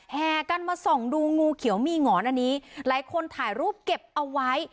แห่กันมาส่องดูงูเขียวมีหงอนอันนี้หลายคนถ่ายรูปเก็บเอาไว้